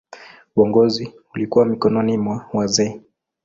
Uongozi ulikuwa mikononi mwa wazee.